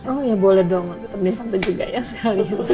oh ya boleh dong aku temenin tante juga ya sekali